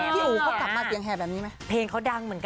พี่อู๋เขากลับมาเสียงแห่แบบนี้ไหมเพลงเขาดังเหมือนกัน